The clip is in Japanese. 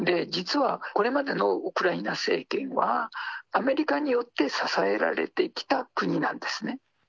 実はこれまでのウクライナ政権は、アメリカによって支えられてきた国なんですね。